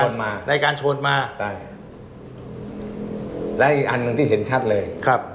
มารายการชวนมาใช่และอีกอันหนึ่งที่เห็นชัดเลยครับ